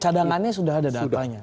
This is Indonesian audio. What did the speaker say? cadangannya sudah ada dah banyak